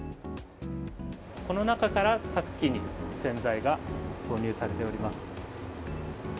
この中から各機に洗剤が投入されております。